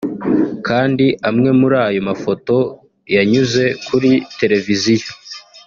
kandi amwe muri ayo mafoto yanyuze kuri televiziyo